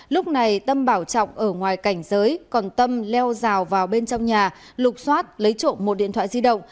lúc này tâm bảo trọng ở ngoài cảnh giới còn tâm leo rào vào bên trong nhà lục xoát lấy trộm một điện thoại di động